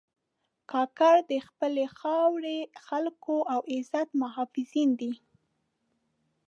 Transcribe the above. کاکړ د خپلې خاورې، خلکو او عزت محافظین دي.